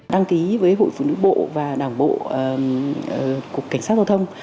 đăng ký với hội phụ nữ bộ và đảng bộ cục cảnh sát giao thông